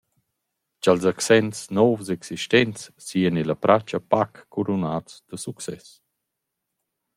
Cha’ls accents nouvs existents sajan illa pratcha pac curunats da success.